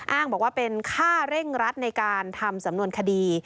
อ้างบอกว่าเป็นค่าเร่งรัดในการทำสำนวนคดี